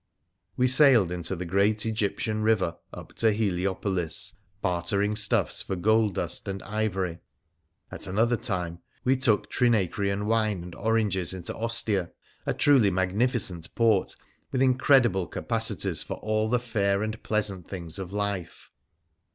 We sailed into the great Egyptian river up to Heliopolis, bartering stuffs for gold dust and ivory ; at another time we took Trinacrian wine and oranges into Ostia — a truly magnifi cent port, with incredible capacities for all the fair and pleasant things of life.